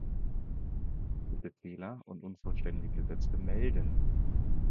Bitte Fehler und unvollständige Sätze melden!